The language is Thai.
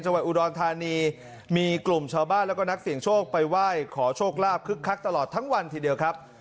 วัดอุดรธานีมีกลุ่มชาวบ้านแล้วก็นักเสี่ยงโชคไปไหว้ขอโชคลาภคึกคักตลอดทั้งวันทีเดียวครับ